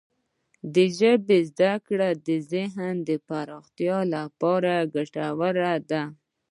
د ژبو زده کړه د ذهن پراختیا لپاره ګټوره ده.